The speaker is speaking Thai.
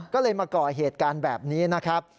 ก็เลยมาก่อเหตุการณ์แบบนี้นะครับ